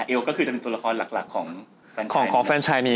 เอลฟก็คือจะเป็นตัวละครหลักของแฟนไชน์นี้